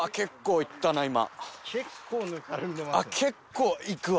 結構いくわ。